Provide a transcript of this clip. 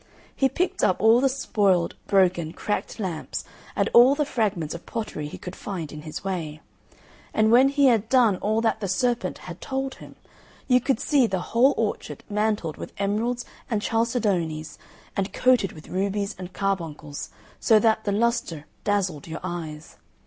He picked up all the spoiled, broken, cracked lamps and all the fragments of pottery he could find in his way. And when he had done all that the serpent had told him, you could see the whole orchard mantled with emeralds and chalcedonies, and coated with rubies and carbuncles, so that the lustre dazzled your eyes.